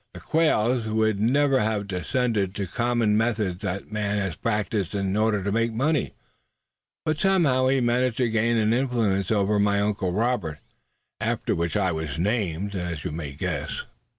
"The Quails would never have descended to the common methods that man has practiced in order to make money. But somehow he managed to gain an influence over my Uncle Robert, after whom I was named, as you may guess, suh.